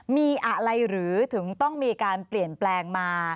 มีอะไรหรือถึงต้องมีการเปลี่ยนแปลงมา